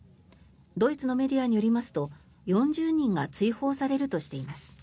ドイツのメディアによりますと４０人が追放されるとしています。